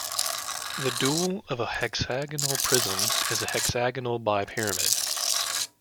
The dual of a hexagonal prism is a hexagonal bipyramid.